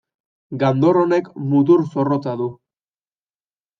Gandor honek mutur zorrotza du.